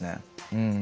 うん。